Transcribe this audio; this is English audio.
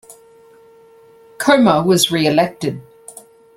Choma was reelected.